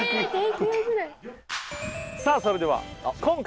さあそれでは今回のあっ！